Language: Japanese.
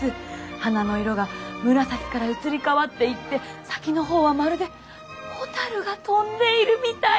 花の色が紫から移り変わっていって先の方はまるで蛍が飛んでいるみたい！